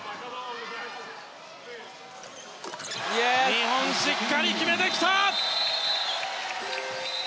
２本しっかり決めてきた！